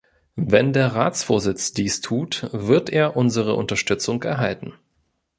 Wenn der Ratsvorsitz dies tut, wird er unsere Unterstützung erhalten.